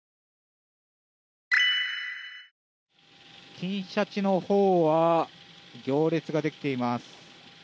金シャチのほうは行列ができています。